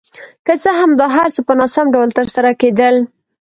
که څه هم دا هر څه په ناسم ډول ترسره کېدل.